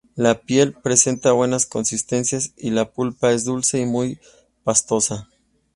La piel presenta buena consistencia y la pulpa es dulce y muy pastosa.